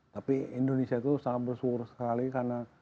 tapi indonesia itu sangat bersyukur sekali karena